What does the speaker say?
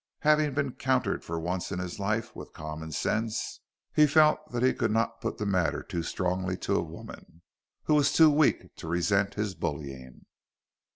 Having been countered for once in his life with common sense, he felt that he could not put the matter too strongly to a woman, who was too weak to resent his bullying.